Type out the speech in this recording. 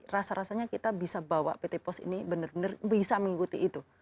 rasa rasanya kita bisa bawa pt pos ini benar benar bisa mengikuti itu